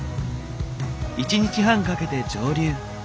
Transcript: １日半かけて蒸留。